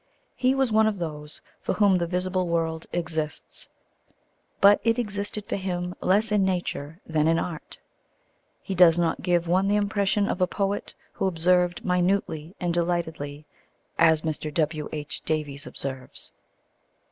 He was one of those for whom the visible world exists. But it existed for him less in nature than in art. He does not give one the impression of a poet who observed minutely and delightedly as Mr. W.H. Davies observes.